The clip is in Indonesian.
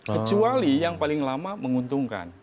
kecuali yang paling lama menguntungkan